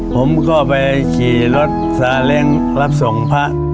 ผมก็ไปขี่รถสาเล้งรับส่งพระ